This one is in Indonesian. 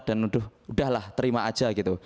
dan udah lah terima aja gitu